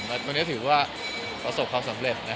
เราก็เลยรู้สึกอายที่มาแซวอะไร